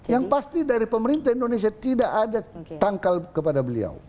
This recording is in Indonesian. yang pasti dari pemerintah indonesia tidak ada tangkal kepada beliau